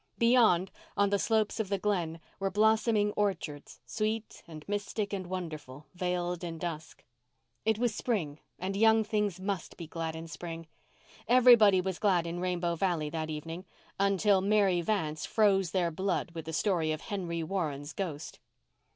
Beyond, on the slopes of the Glen, were blossoming orchards, sweet and mystic and wonderful, veiled in dusk. It was spring, and young things must be glad in spring. Everybody was glad in Rainbow Valley that evening—until Mary Vance froze their blood with the story of Henry Warren's ghost.